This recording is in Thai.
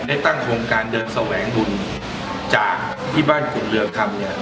ได้ตั้งโครงการเดินแสวงบุญจากที่บ้านคุณเรือคำเนี่ย